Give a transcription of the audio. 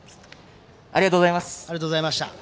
ありがとうございます。